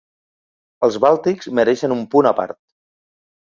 Els bàltics mereixen un punt a part.